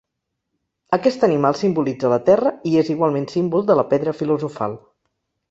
Aquest animal simbolitza la Terra i és igualment símbol de la pedra filosofal.